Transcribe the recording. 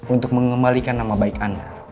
untuk mengembalikan nama baik anda